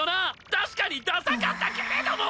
確かにダサかったけれども！